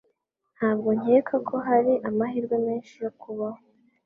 Ntabwo nkeka ko hari amahirwe menshi yo kubaho